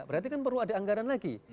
berarti kan perlu ada anggaran lagi